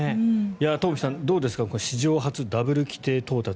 トンフィさん、どうですか史上初ダブル規定到達。